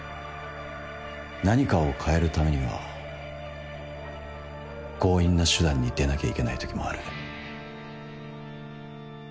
何かを変えるためには強引な手段に出なきゃいけない時もある。